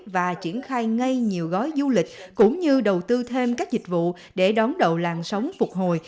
và triển khai ngay nhiều gói du lịch cũng như đầu tư thêm các dịch vụ để đón đầu làn sóng phục hồi